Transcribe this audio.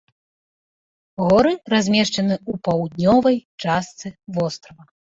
Горы размешчаны ў паўднёвай частцы вострава.